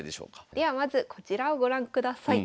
ではまずこちらをご覧ください。